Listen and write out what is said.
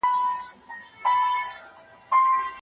که د افرادو اړتیاوې په درست ډول تشخیص سي، نو بدلون رامنځته کیږي.